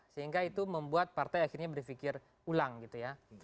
sehingga itu membuat partai akhirnya berpikir ulang gitu ya